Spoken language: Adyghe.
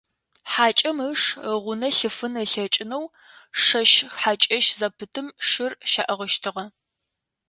Хьакӏэм ыш игъунэ лъифын ылъэкӏынэу шэщ-хьакӏэщ зэпытым шыр щаӏыгъыщтыгъэ.